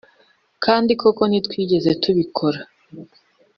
Kandi koko ntitwigeze tubikora